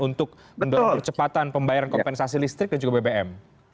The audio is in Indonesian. untuk mendorong percepatan pembayaran kompensasi listrik dan juga bbm